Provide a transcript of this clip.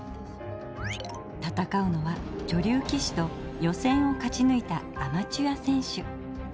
戦うのは女流棋士と予選を勝ち抜いたアマチュア選手。